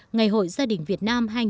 ngày hội gia đình việt nam